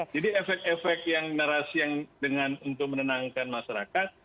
jadi efek efek yang narasi untuk menenangkan masyarakat